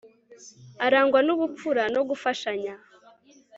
arangwa nubupfura no gufashanya